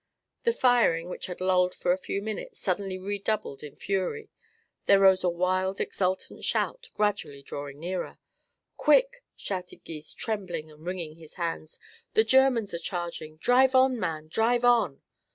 The firing, which had lulled for a few minutes, suddenly redoubled in fury. There rose a wild, exultant shout, gradually drawing nearer. "Quick!" shouted Gys, trembling and wringing his hands. "The Germans are charging. Drive on, man drive on!"